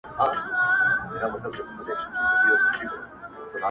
چې څومره په کار و